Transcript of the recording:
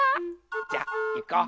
じゃいこう。